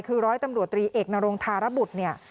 คือร้อยตำรวจตรีเอกนรงธารบุตรเนี่ย